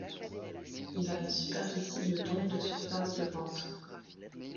Il a une superficie de dont de surface de ventes.